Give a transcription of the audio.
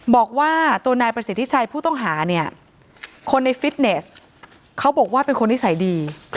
บอกว่าตัวนายประสิทธิชัยผู้ต้องหาเนี่ยคนในฟิตเนสเขาบอกว่าเป็นคนนิสัยดี